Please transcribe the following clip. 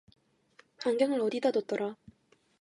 안경을 어디다 뒀더라?